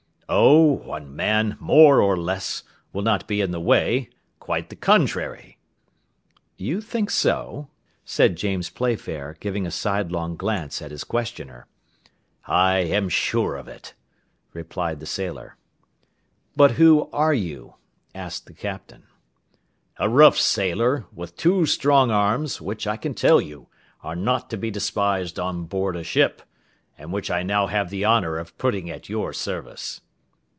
"Oh, one man, more or less, will not be in the way; quite the contrary." "You think so?" said James Playfair, giving a sidelong glance at his questioner. "I am sure of it," replied the sailor. "But who are you?" asked the Captain. "A rough sailor, with two strong arms, which, I can tell you, are not to be despised on board a ship, and which I now have the honour of putting at your service."